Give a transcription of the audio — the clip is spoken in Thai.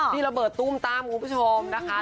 ระเบิดตุ้มตั้มคุณผู้ชมนะคะ